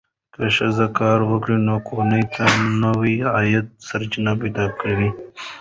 که ښځه کار وکړي، نو کورنۍ ته نوې عاید سرچینې پیدا کوي.